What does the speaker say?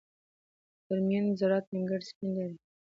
د فرمیون ذرات نیمګړي سپین لري.